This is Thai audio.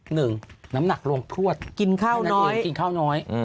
หนึ่งน้ำหนักลงพรวดกินข้าวน้อยกินข้าวน้อย